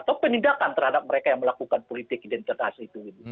atau penindakan terhadap mereka yang melakukan politik identitas itu